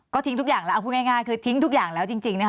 ก็ทิ้งทุกอย่างแล้วเอาพูดง่ายคือทิ้งทุกอย่างแล้วจริงนะคะ